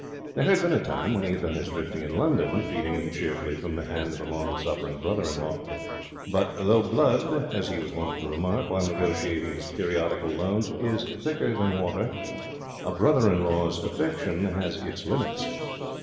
There had been a time when he had done his drifting in London, feeding cheerfully from the hand of a long suffering brother in law. But though blood, as he was wont to remark while negotiating his periodical loans, is thicker than water, a brother in law's affection has its limits.